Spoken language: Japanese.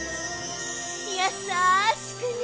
やさしくね！